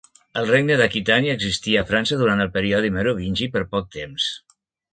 El regne d'Aquitània existí a França durant el període merovingi per poc temps.